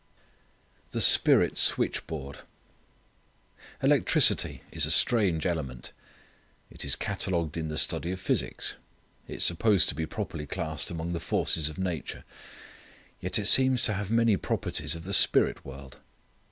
The Spirit Switchboard. Electricity is a strange element. It is catalogued in the study of physics. It is supposed to be properly classed among the forces of nature. Yet it seems to have many properties of the spirit world.